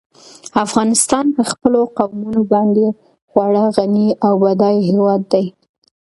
افغانستان په خپلو قومونه باندې خورا غني او بډای هېواد دی.